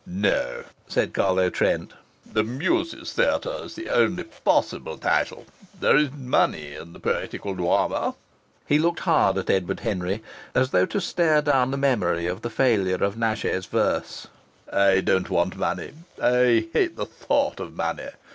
"No," said Carlo Trent, "'The Muses' Theatre' is the only possible title. There is money in the poetical drama." He looked hard at Edward Henry, as though to stare down the memory of the failure of Nashe's verse. "I don't want money. I hate the thought of money.